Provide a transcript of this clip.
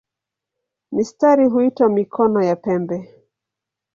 Mistari huitwa "mikono" ya pembe.